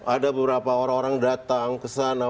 ada beberapa orang orang datang kesana